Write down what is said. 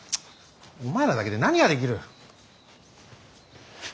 お前らだけで何ができる。